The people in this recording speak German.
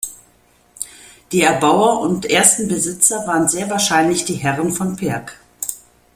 Die Erbauer und ersten Besitzer waren sehr wahrscheinlich die Herren von Perg.